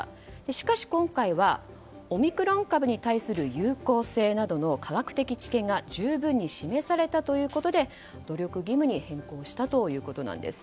しかし、今回はオミクロン株に対する有効性などの科学的知見が十分に示されたということで努力義務に変更したということなんです。